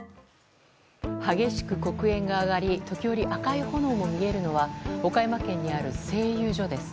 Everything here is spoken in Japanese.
激しく黒煙が上がり時折、赤いの炎も見えるのは岡山県にある製油所です。